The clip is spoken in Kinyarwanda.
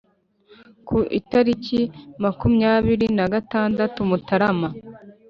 ku itariki ya makumyabiri na gatadatu mutarama